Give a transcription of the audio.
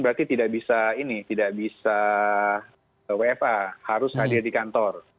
berarti tidak bisa ini tidak bisa wfa harus hadir di kantor